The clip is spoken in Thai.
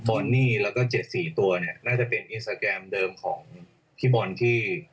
อนนี่แล้วก็๗๔ตัวเนี่ยน่าจะเป็นอินสตาแกรมเดิมของพี่บอลที่